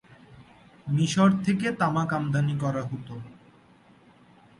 মিশর থেকে তামাক আমদানি করা হত।